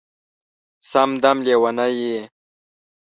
سم دم لېونی یې